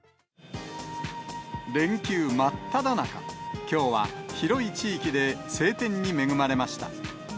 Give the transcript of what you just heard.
連休真っただ中、きょうは広い地域で晴天に恵まれました。